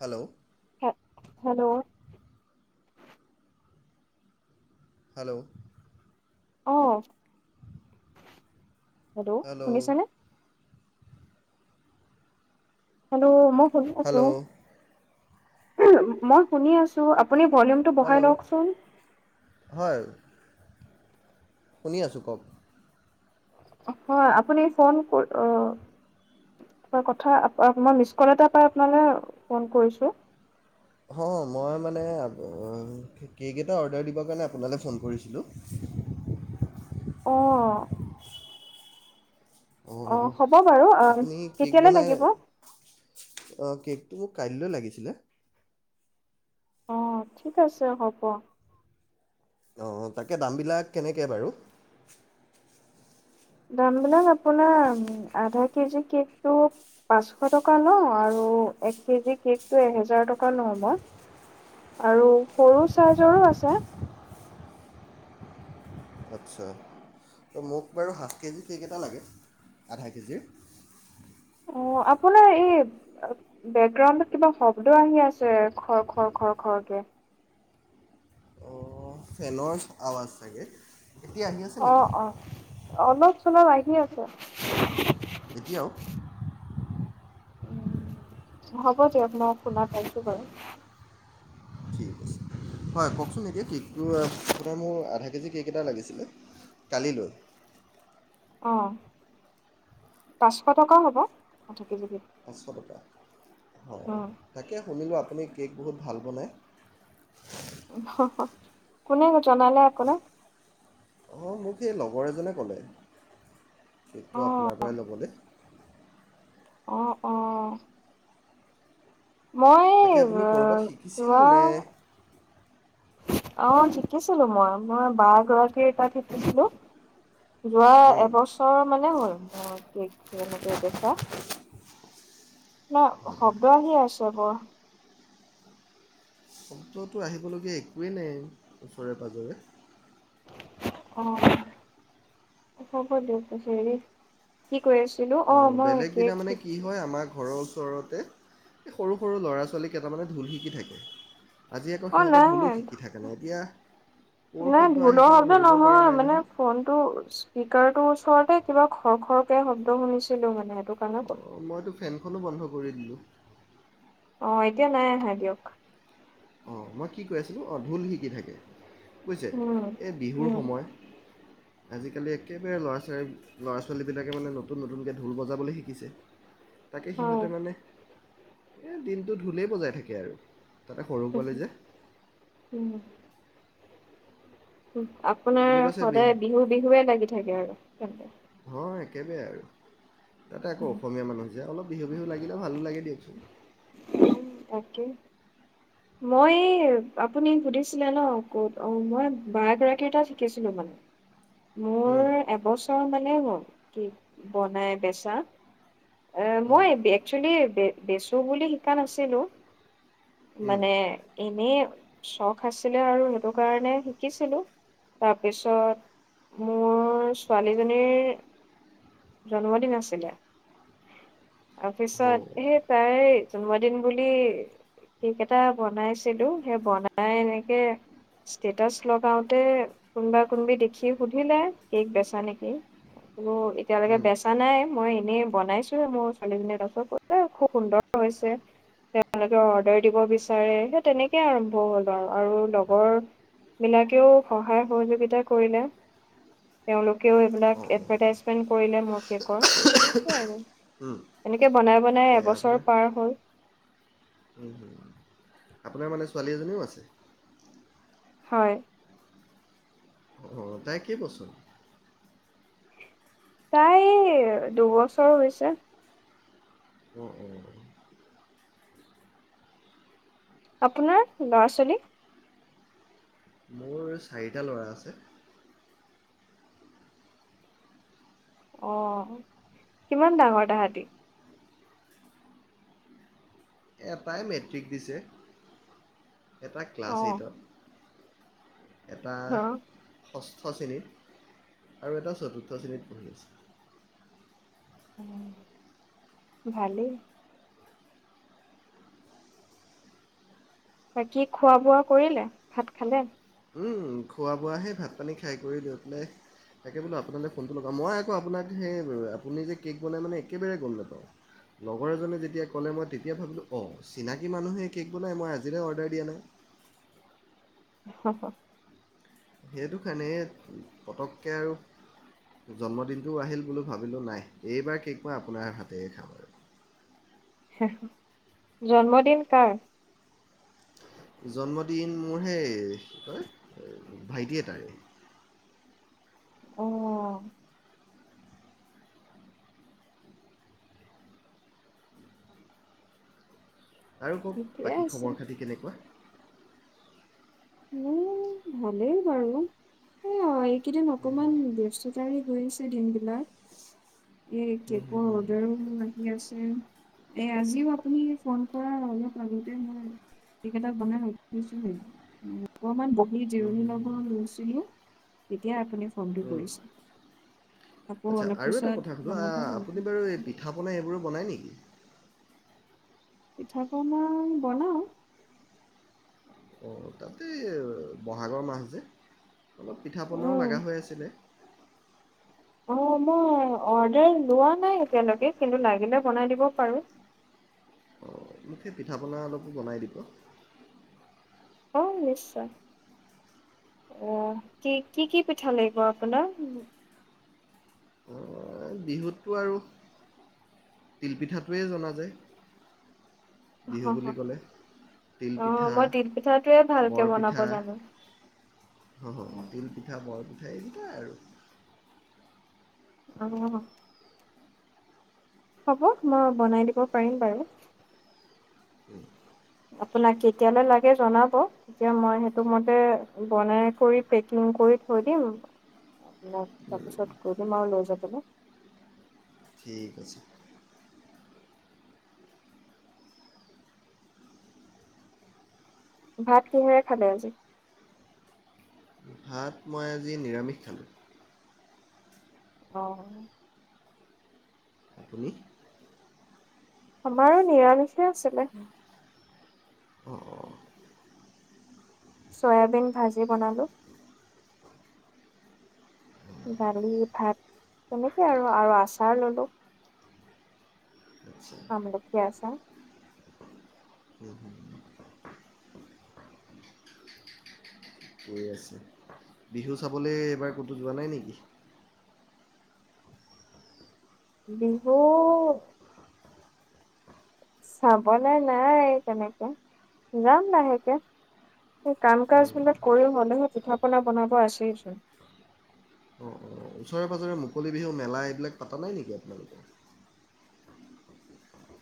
Hello হে hello [inaudible] hello অহ hello শুনিছনে হেল্ল মই শুনি আছো হেল্ল' উ মই শুনি আছো আ আপুনি ভলিউমটো বঢ়াই হেল্ল' লওকচোন হয় শুনি আছোঁ কওক হয় আপুনি ফোন অ কথা মই মিছ কল এটা পাই আপোনালৈ ফোন কৰিছোঁ অ মই মানে কেক এটা অৰ্ডাৰ দিবৰ কাৰণে আপোনালৈ ফোন কৰিছিলোঁ অ অ অঁ হ'ব বাৰু অ আপুনি কেক কেতিয়ালৈ বনাই লাগিব অঁ কেকটো মোক কাইলৈ লাগিছিলে অ ঠিক আছে হ'ব অঁ তাকে দামবিলাক কেনেকৈ বাৰু দামবিলাক আপোনাৰ আধা কেজি কেকটো পাঁচশ টকা লওঁ আৰু এক কেজি কেকটো এহেজাৰ টকা লওঁ মই আৰু সৰু চাৰ্জৰো আছে আচ্ছা ত' মোক বাৰু হাফ কেজি কেক এটা লাগে আধা কেজিৰ অ আপোনাৰ এই বেকগ্ৰাউণ্ডত কিবা শব্দ আহি আছে খৰ খৰ খৰ খৰকে অঁ ফেনৰ আৱাজ চাগে এতিয়া আহি আছে অ নেকি অ অলপ চলপ আহি আছে [unintelligible] এতিয়াও উ হ'ব দিয়কোন শুনা পাইছো বাৰু ঠিক আছে হয় কওকচোন এতিয়া কেকটো আপোনাৰ মোৰ আধা কেজি কেক এটা লাগিছিলে কালিলৈ অঁ পাঁচশ টকা হ'ব কেজি বিধ পাঁচশ টকা হয় তাকে শুনিলোঁ আপুনি কেক বহুত ভাল বনায় কোনে জনালে আকৌ নো অঁ মোক সেই লগৰ এজনে ক'লে সেইটো আপোনাৰ পৰাই ল'বলৈ আহ অ মই বাকী আপুনি ক'ৰবাত শিকিছিল যোৱা নে অ শিকিছিলো মই মই ব গৰাকীৰ তাত শিকিছিলো। যোৱা হুম, এবছৰ মানে হ'ল মোৰ কে এনেকে বেচা। ন শব্দ আহি আছে বৰ। শব্দটো আহিবলগীয়া একোৱেই নাই ওচৰে পাঁজৰে অ হ'ব দিয়ক কছ হৰি কি কৈ আছিলো অ মই বেলেগ দিনা কেক মানে কি হয় আমাৰ ঘৰৰ ওচৰতে সৰু সৰু ল'ৰা ছোৱালীকেইটামানে ঢোল শিকি থাকে। আজি আকৌ অ সিহঁতে ঢোলো নাই শিকি থাকে নাই এতিয়া ক'ৰ নাই শব্দ ঢোলৰ আহিছে মই শব্দ ধৰিব পৰা নহয় নাই মানে ফোনটো স্পকাৰটোৰ ওচৰত কিবা খৰ খৰকে শব্দ শুনিছিলো মানে সেইটো কাৰণে অঁ মইতো ফেনখনো বন্ধ কৰি দিলোঁ অ এতিয়া নাই আহা দিয়ক অঁ মই কি কৈ আছিলোঁ অঁ ঢোল শিকি থাকে। বুজিছে উম এই বিহুৰ উম সময় আজিকালি একেবাৰে ল'ৰা ছোৱালী ল'ৰা ছোৱালীবিলাকে মানে নতুন নতুনকে ঢোল বজাবলৈ শিকিছে। তাকে হয় সিহঁতে মানে এ দিনতটো ঢোলে বজাই থাকে আৰু তাতে সৰু হু পোৱালি যে উ উম আপোনাৰ আপুনি পাছে বি সদায় বিহু বিহুৱে লাগি থাকে আৰু তেন্তে হয় একেবাৰে আৰু তাতে আকৌ অসমীয়া মানুহ হৈছে অলপ বিহু বিহু লাগিলে ভালো লাগে দিয়ক তাকে মই আপুনি সুধিছিলে ন ক'ত অ মই বা গৰাকীটা শিকিছিলো মানে মোৰ উম, এবছৰ মানেই হ'ল কি বনাই বেচা এ অঁ মই একচেলি বেচো বুলি শিকা নাছিলো? উম, মানে এনেই চখ আছিলে আৰু সেইটো কাৰণে শিকিছিলোঁ তাৰপিছত মোৰ ছোৱালীজনীৰ। জন্মদিন আছিলে। ত হ' পিছত এই তাই জন্মদিন বুলি কেক এটা বনাইছিলো সেই বনাই এনেকে ষ্টেটাচ লগাওতে কোনোবা কোনবি দেখি সুধিলে কেক বেচা নেকি কোননো? এতিয়ালৈকে উম, বেচা নাই মই এনেই বনাইছোঁৱে মোৰ ছোৱালীজনীয়ে লছৰ কৈছে খুব সুন্দৰ হৈছে তেওঁলোকে অৰ্ডাৰ দিব বিচাৰে সেই তেনেকেই আৰম্ভ হ'ল আৰু আৰু লগৰবিলাকেও সহায় সহযোগিতা কৰিলে তেওঁলোক ক এইবিলাক অঁ অঁ এটভাৰটাইচ কৰিবলে মোৰকে কয় আৰু উম, এনেকে বনাই বনাই তাকে এবছৰ আপোনাৰ পাৰ হ'ল আপোনাৰ মানে ছোৱালী এজনীও আছে হয় অঁ তাই কি বচোন তাই দুবছৰ হৈছে অঅ আপোনাৰ ল'ৰা ছোৱালীক মোৰ চাৰিটা ল'ৰা আছে অ কিমান ডাঙৰ তাহতি এটাই মেট্ৰিক দিছে এটা অ ক্লাছ এইটত এটা অ ষষ্ঠ শ্ৰেণীত আৰু এটা চতুৰ্থ শ্ৰেণীত পঢ়ি আছে উ ভালেই বাকীখোৱা বোৱা কৰিলে ভাত খালে খোৱা বোৱাহে ভাত পানী খাই কৰি দিওঁকাই তাকে বোলো আপোনালৈ ফোনটো লগা মই আকৌ আপোনাক সেই আপুনি যে কে'ক বনাই মানে একেবাৰে গ'ল নাপাৰ লগৰ এজনে যেতিয়া ক'লে মই তেতিয়া ভাবিলোঁ অঁ চিনাকী মানুহে কে'ক বনাই মই আজিলৈ অৰ্ডাৰ দিয়া নাই হ হ সেইটো কাৰণ পটককৈ আৰু জন্মদিনটোও আহিল বো ভাবিলোঁ নাই এইবাৰ কেক মই আপোনাৰ হাতে খাম আৰু জন্মদিন কাৰ জন্মদিন মোৰ সেই কয় ভাইটিয়ে তাৰে অহ আৰু কওক ঠিকে বাকী আছে খবৰ খাতি কেনেকুৱা উম ভালেই বাৰু কিদন অকণমান ব্যস্ততাৰী গৈ আছে দিন বিলাক এই হুম হুম কেকৰ হুম অৰ্ডাৰো মোৰ আহি আছে এ আজিও আপুনি ফোন কৰ অলপ আগতে মই কেক এটা বনাই ৰা দিছোহে উম অকণমান বহি হুম জিৰণি হুম ল'ব হুম লৈছিলও তেতিয়া আপুনি ফোনটো কৰিছে আকৌ আচ্ছা অলপ আৰু এটা পিছত কথা কধো বনাব লাগিব আপুনি বাৰু এই পিঠা পনা এইবোৰো বনায় নেকি পিঠাপুমা বনাও অ তাতে বহাগৰ মাছ যে অলপ পিঠা পনাও উম লগা হৈ আছিলে অ মই অৰ্ডাৰ লোৱা নাই এতিয়ালৈকে কিন্তু লাগিলে বনাই দিব পাৰো অঁ মোক সেই পিঠা পনা অলপো বনাই দিব অ নিশ্চয় অহ কি কি কি পিঠা লাগিব আপোনাৰ বিহুততো আৰু তিলপিঠাটোৱেই জনা যায় বিহু বুলি ক'লে অ', তিলপিঠা মই তিল পিঠাটোৱে ভালকে বনাব বৰপিঠা জানোঁ। তিলপিঠা বৰপিঠ সেইোৱাই আৰু অ' হ'ব মই বনাই দিব পাৰিম বাৰু উম! আপোনাক কেতিয়ালৈ লাগে জনাব তেতিয়া মই সেইটো মতে বনাই কৰি পেকিং কৰি থৈ দিম আপোনাক তাৰপিছত কৈ দিম আৰু লৈ যাবলৈ ঠিক আছে। ভাত কিহৰে খালে আজি? ভাত মই আজি নিৰামিষ খালোঁ। অ' আপুনি আমাৰো নিৰালিষে আছিলে অঁ অঁ চয়াবিন ভাজি বনালোঁ। দালি ভাত তেনেকে আৰু আৰু আচাৰ ললো আচ্ছা আমলখি আছা বিহু চাবলৈ এইবাৰ ক'তো যোৱা নাই নেকি বিহু চাবলৈ নাই তেনেকে যাম লাহেকে স কাম কাজ বিলাক কৰি হলেহে পিঠা পনা বনাব আছেই অঁ অঁ ওচৰে পাঁৰে মুকলি বিহু মেলা এইবিলাক পতা নাই নেকি আপোনালোকৰ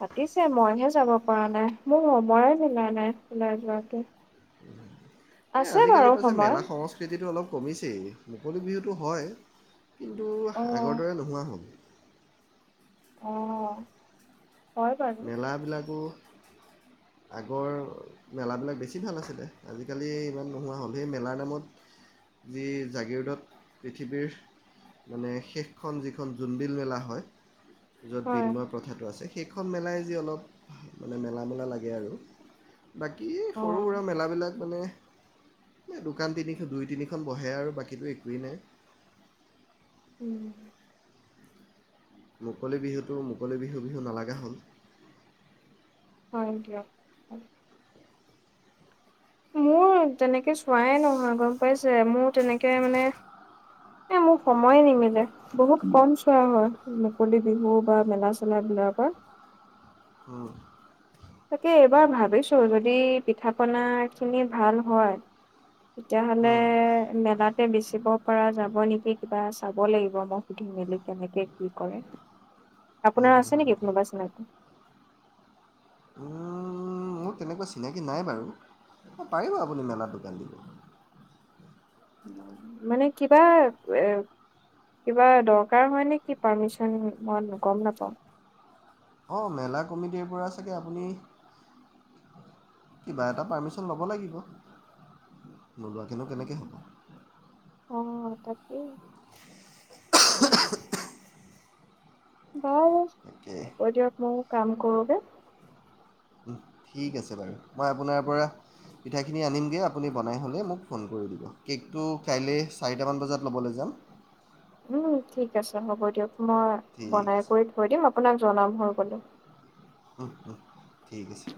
পাতিছে মইহে যাব পৰা নাই মোৰ সময় মিলাই নাই ওলাই যোৱাকে এই আছে আজিকালি বাৰু পাছে সময় মেলা সংস্কৃতিটো অলপ কমিছেই মুকলি বিহুটো হয় কিন্তু অ আগৰ দৰে নোহোৱা হ'ল অহ মেলাবিলাকো আগৰ মেলাবিলাক বেছি ভাল আছিলে আজিকালি ইমান নোহোৱা হ'ল সেই মেলাৰ নামত যি জাগীৰোদত পৃথিৱীৰ মানে শেষখন যিখন জোনবিল মেলা হয়। য'ত হয় বিনিময় প্ৰথাটো আছে খন মেলাই যি অলপ মানে মেলা মলা লাগে আৰু বাকী অ সৰু সুৰা মেলাবিলাক মানে দোকান তিনি দুই তিনিখন বহে আৰু বাকীতো একোৱেই নাই উম! মুকলি বিহুটো মুকলি বিহু বিহু নালাগা হ'ল হয় দিয়ক মোৰ তেনেকে চোৱাই নহয় গম পাইছে মোৰ তেনেকে মানে এ মোৰ সময়ে নিমিলে বহুত কম চোৱা হয় মুকলি বিহু বা মেলা চেলাবলাকৰ উম, তাকে এইবাৰ ভাবিছোঁ যদি পিঠা পনা খিনি ভাল হয় তেতিয়াহলে উম, মেলাতে বেচিব পৰা যাব নেকি কিবা চাব লাগিব মই সুধি মেলি কেনেকে কি কৰে উম, আপোনাৰ আছে নেকি কোনোবা চিনাকি চিনাকাকী উম, মোৰ তেনেকুৱা চিনাকী নাই বাৰু পাৰিব আপুনি মেলা দোকান দিব মানে কিবা কিবা দৰকাৰ হয় নে কি পাৰ্মিশন মই গম নাপাওঁ অ' মেলা কমিটিৰ পৰা চাগে আপুনি কিবা এটা পাৰ্মিশন ল'ব লাগিব নোলোৱাকিনো কেনেকৈ হ'ব অ তাকেই বাৰু তাকে হ'ব দিয়ক ময়ো কাম কৰোগে উম, ঠিক আছে বাৰু মই আপোনাৰ পৰা পিঠাখিনি আনিমগে আপুনি বনাই হ'লে মোক ফোন কৰি দিব কেকটো কাইলৈ চাৰিটামান বজাত ল'বলৈ যাম। উম, ঠিক আছে হ'ব দিয়ক। মই ঠিক বনাই আছে কৰি থৈ দিম আপোনাক জনাম হৈ গ'লে। উম, উম। ঠিক আছে।